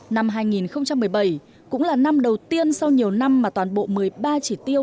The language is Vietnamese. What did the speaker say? năm hai nghìn một mươi bảy cũng là năm đầu tiên sau nhiều năm mà toàn bộ một mươi ba chỉ tiêu